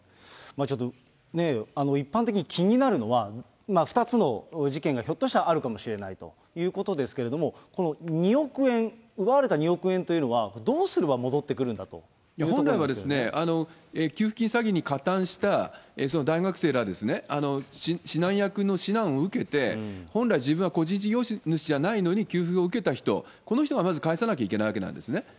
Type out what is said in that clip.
ちょっと、一般的に気になるのは、２つの事件がひょっとしたらあるかもしれないということですけれども、この２億円、奪われた２億円というのはどうすれば戻ってくるんだというところ本来は、給付金詐欺に加担した大学生ら指南役の指南を受けて、本来、自分は個人事業主じゃないのに給付を受けた人、この人がまず返さなきゃいけないわけなんですね。